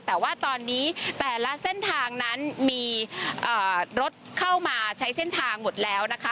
แต่ว่าตอนนี้แต่ละเส้นทางนั้นมีรถเข้ามาใช้เส้นทางหมดแล้วนะคะ